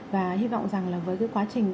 và hy vọng rằng với quá trình